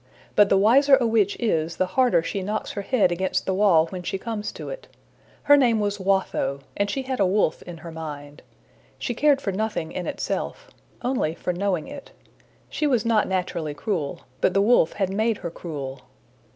But the wiser a witch is, the harder she knocks her head against the wall when she comes to it. Her name was Watho, and she had a wolf in her mind. She cared for nothing in itself only for knowing it. She was not naturally cruel, but the wolf had made her cruel.